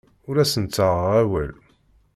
Ur asen-ttaɣeɣ awal.